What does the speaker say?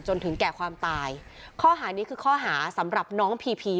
จนถึงแก่ความตายข้อหานี้คือข้อหาสำหรับน้องพีพี